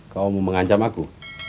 kamu mengancam aku